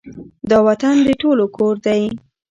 دا وطــن د ټولو کـــــــــــور دی